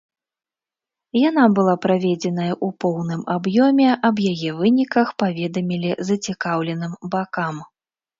Яна была праведзеная ў поўным аб'ёме, аб яе выніках паведамілі зацікаўленым бакам.